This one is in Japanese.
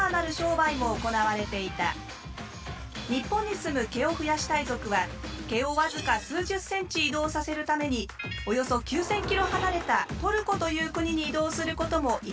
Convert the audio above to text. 日本に住む毛を増やしたい族は毛を僅か数十センチ移動させるためにおよそ９，０００ｋｍ離れたトルコという国に移動することもいとわないのだ。